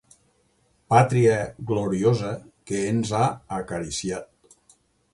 Pàtria gloriosa, que ens ha acariciat!